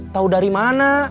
tau dari mana